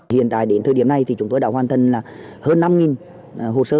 hiện tại đến thời điểm này thì chúng tôi đã hoàn thành hơn năm hồ sơ